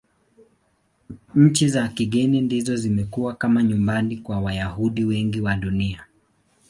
Nchi za kigeni ndizo zimekuwa kama nyumbani kwa Wayahudi wengi wa Dunia.